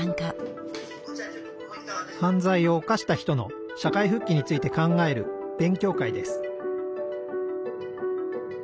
犯罪を犯した人の社会復帰について考える勉強会です